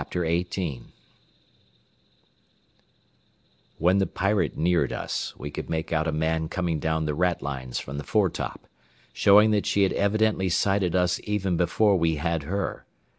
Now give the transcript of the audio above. XVIII When the Pirate neared us, we could make out a man coming down the ratlines from the foretop, showing that she had evidently sighted us even before we had her.